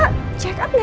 tidak ada apa apa